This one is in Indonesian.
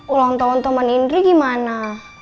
ulang tahun teman indri gimana